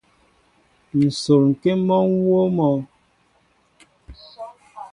Nsol ŋkém mɔnwóó mɔ.